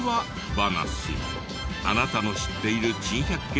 話あなたの知っている珍百景